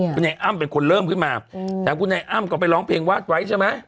คุณไอ้อ้ำเป็นคนเริ่มขึ้นมาแต่คุณไอ้อ้ำก็ไปร้องเพลงวาดไว้ใช่ไหม